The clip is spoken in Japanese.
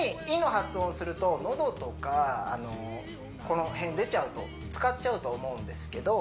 イ喉とかあのこの辺出ちゃうと使っちゃうと思うんですけど